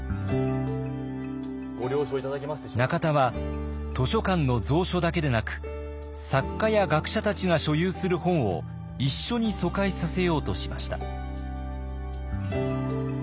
中田は図書館の蔵書だけでなく作家や学者たちが所有する本を一緒に疎開させようとしました。